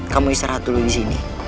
kamu istirahat dulu disini